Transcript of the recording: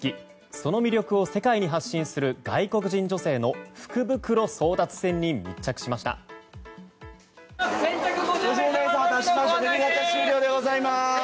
その魅力を世界に発信する外国人女性の福袋争奪戦に密着しました。